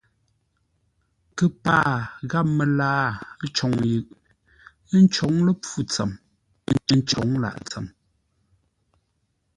Kəpaa gháp məlaa côŋ yʉʼ, ə́ ncǒŋ ləpfû tsəm, ə́ ncǒŋ lâʼ tsəm.